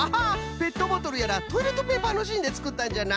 ペットボトルやらトイレットペーパーのしんでつくったんじゃな。